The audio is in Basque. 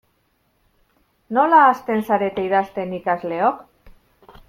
Nola hasten zarete idazten ikasleok?